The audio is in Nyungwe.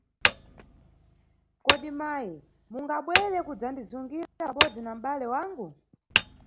Kodi mayi, mungabwere kudzandizungira pabodzi na mʼbale wangu?